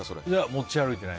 持ち歩いてない。